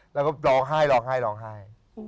แล้วก็ร้องไห้ร้องไห้ร้องไห้